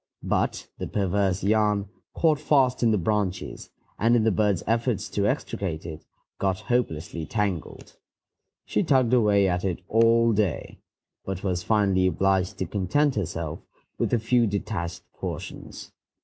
But the perverse yarn caught fast in the branches, and, in the bird's efforts to extricate it, got hopelessly tangled. She tugged away at it all day, but was finally obliged to content herself with a few detached portions.